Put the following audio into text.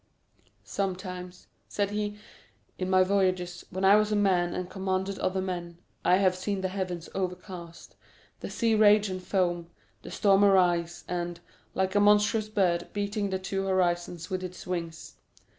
"Sometimes," said he, "in my voyages, when I was a man and commanded other men, I have seen the heavens overcast, the sea rage and foam, the storm arise, and, like a monstrous bird, beating the two horizons with its wings.